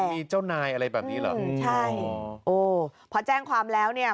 มีเจ้านายอะไรแบบนี้เหรอใช่โอ้พอแจ้งความแล้วเนี่ย